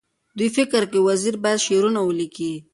دوی فکر کوي وزیر باید شعر ونه لیکي.